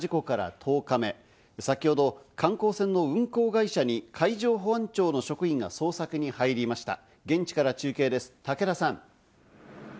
北海道・知床半島の沖合で、先ほど観光船の運航会社に海上保安庁の職員が捜索に入りました。